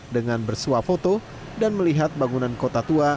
dengan bersuah foto dan melihat bangunan kota tua